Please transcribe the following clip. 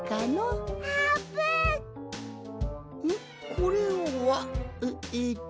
これは？ええっと？